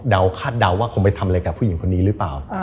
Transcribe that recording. คาดเดาว่าคงไปทำอะไรกับผู้หญิงคนนี้หรือเปล่า